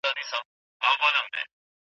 تر هغه چې بخښنه وشي، دښمني به دوام ونه کړي.